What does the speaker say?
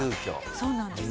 そうなんです。